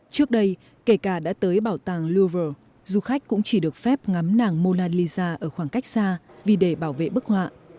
trước đây kể cả đã tới bảo tàng louvre du khách cũng chỉ được phép ngắm nàng monaliza ở khoảng cách xa vì để bảo vệ bức họa